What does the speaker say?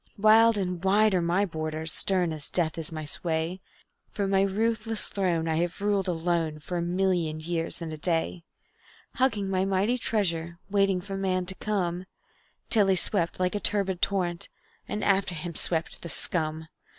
"Wild and wide are my borders, stern as death is my sway; From my ruthless throne I have ruled alone for a million years and a day; Hugging my mighty treasure, waiting for man to come, Till he swept like a turbid torrent, and after him swept the scum.